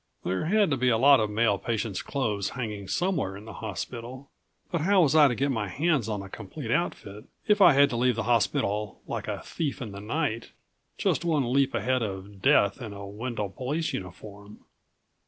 There had to be a lot of male patient's clothes hanging somewhere in the hospital, but how was I to get my hands on a complete outfit if I had to leave the hospital like a thief in the night, just one leap ahead of Death in a Wendel police uniform?